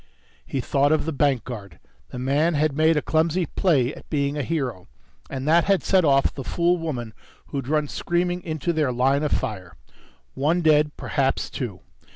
He thought of the bank guard. The man had made a clumsy play at being a hero, and that had set off the fool woman who'd run screaming into their line of fire. One dead. Perhaps two.